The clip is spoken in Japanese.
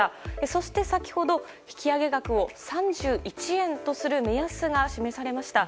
そして先ほど引き上げ額を３１円とする目安が示されました。